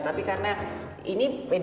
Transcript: tapi karena ini pedagogiknya